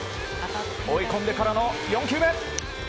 追い込んでからの４球目。